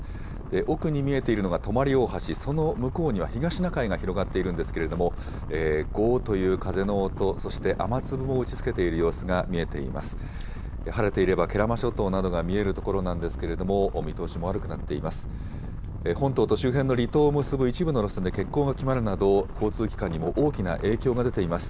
奥に見えているのがとまりおおはし、その向こうには東シナ海が広がっているんですけれども、ゴーという風の音、そして雨粒も打ちつけている様子が見えています。